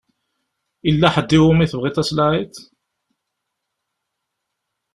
Yella ḥedd i wumi tebɣiḍ ad tlaɛiḍ?